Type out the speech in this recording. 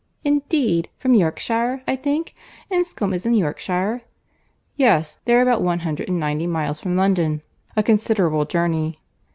"Indeed!—from Yorkshire, I think. Enscombe is in Yorkshire?" "Yes, they are about one hundred and ninety miles from London, a considerable journey."